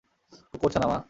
কুকুরছানা, মা!